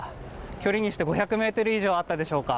距離にして５００ｍ以上はあったでしょうか。